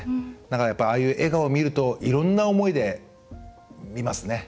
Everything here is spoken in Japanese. だから、ああいう笑顔を見るといろんな思いで見ますね。